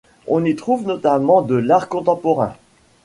On y trouve notamment le d'art contemporain.